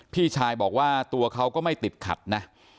พี่ชายบอกว่าตัวเขาก็ไม่ติดขัดนะ